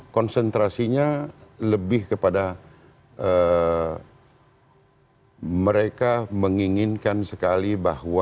konsentrasinya lebih kepada mereka menginginkan sekali bahwa